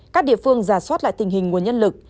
các địa phương giả soát lại tình hình nguồn nhân lực